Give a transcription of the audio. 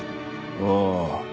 ああ。